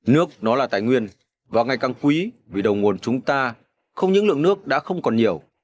nước nó là tài nguyên và ngày càng quý vì đầu nguồn chúng ta không những lượng nước đã không còn nhiều